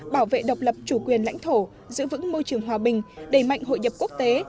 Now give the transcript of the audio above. bảo vệ độc lập chủ quyền lãnh thổ giữ vững môi trường hòa bình đầy mạnh hội nhập quốc tế